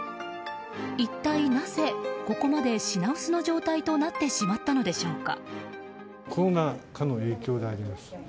一体なぜ、ここまで品薄の状態となってしまったのでしょうか。